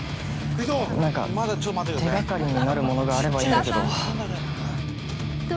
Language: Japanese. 何か手がかりになるものがあればいいんだけど。